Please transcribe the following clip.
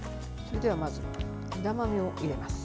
それでは、まずは枝豆を入れます。